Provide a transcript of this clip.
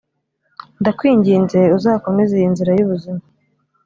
Ndakwinginze uzakomeze iyi nzira y ubuzima